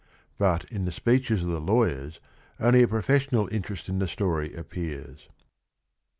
Ti nt in the sp eeches of the lawyers only a pro fessional interest in the story appears.